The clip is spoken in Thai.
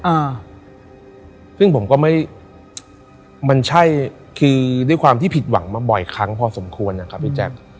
อ่าซึ่งผมก็ไม่มันใช่คือด้วยความที่ผิดหวังมาบ่อยครั้งพอสมควรนะครับพี่แจ๊ค